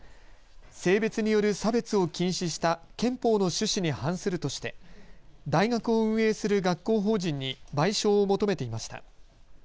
性別による差別を禁止した憲法の趣旨に反するとして大学を運営する学校法人に賠償を求めていました。